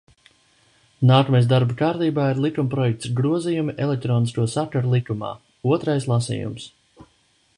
"Nākamais darba kārtībā ir likumprojekts "Grozījumi Elektronisko sakaru likumā", otrais lasījums."